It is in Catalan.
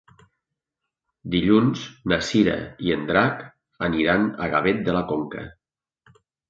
Dilluns na Cira i en Drac aniran a Gavet de la Conca.